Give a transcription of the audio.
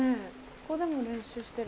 ここでも練習してる？